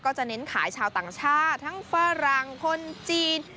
จะเน้นขายชาวต่างชาติทั้งฝรั่งคนจีน